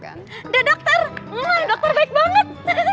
udah dokter hmm dokter baik banget